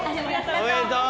おめでとう。